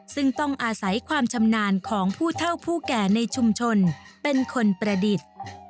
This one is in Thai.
ซึ่งต้องอาศัยความชำนาญของผู้เท่าผู้แก่ในชุมชนเป็นคนประดิษฐ์